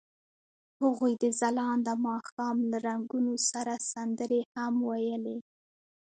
هغوی د ځلانده ماښام له رنګونو سره سندرې هم ویلې.